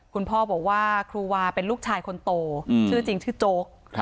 คุณพ่อบอกว่าครูวาเป็นลูกชายคนโตชื่อจริงชื่อโจ๊ก